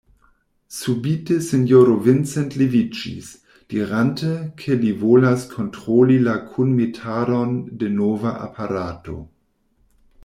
Subite sinjoro Vincent leviĝis, dirante, ke li volas kontroli la kunmetadon de nova aparato.